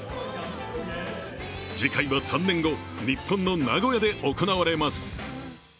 次回は３年後日本の名古屋で行われます。